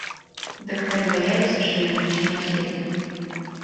Дактары баяліся, што ён зусім аслепне.